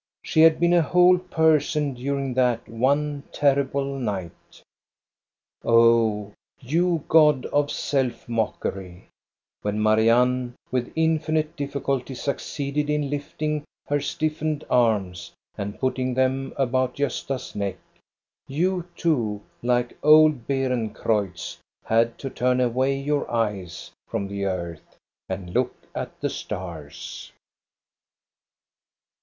She had been a whole person during that one terrible night. Oh, you god of self mockery, when Marianne with infinite difficulty succeeded in lifting her stiffened arms and putting them about Gosta's neck, you too, like old Beerencreutz, had to turn away your eyes from the earth and look at the stars.